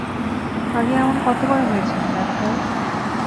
আগে এমন কতবার হয়েছে, ডাক্তার?